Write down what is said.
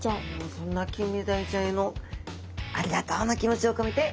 そんなキンメダイちゃんへのありがとうの気持ちを込めて。